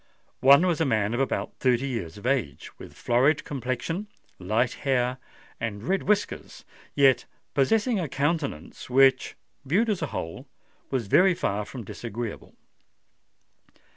One was a man of about thirty years of age, with florid complexion, light hair, and red whiskers,—yet possessing a countenance which, viewed as a whole, was very far from disagreeable.